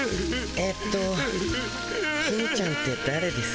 えっと公ちゃんってだれです？